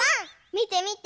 みてみて。